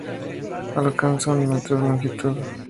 Alcanza un metro de longitud.